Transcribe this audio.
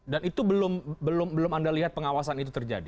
dan itu belum anda lihat pengawasan itu terjadi